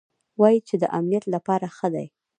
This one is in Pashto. وايي چې د امنيت له پاره ښه دي.